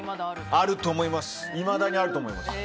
いまだにあると思います。